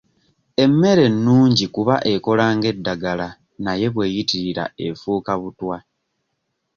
Emmere nnungi kuba ekola ng'eddagala naye bweyitirira efuuka butwa.